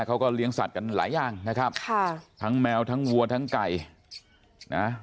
เขาก็เลี้ยงสัตว์กันหลายอย่างนะครับค่ะทั้งแมวทั้งวัวทั้งไก่นะ